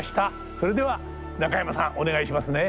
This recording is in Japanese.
それでは中山さんお願いしますね。